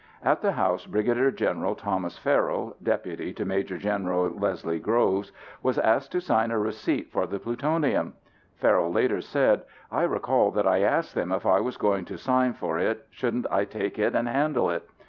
At the house, Brig. Gen. Thomas Farrell, deputy to Maj. Gen. Leslie Groves, was asked to sign a receipt for the plutonium. Farrell later said, "I recall that I asked them if I was going to sign for it shouldn't I take it and handle it.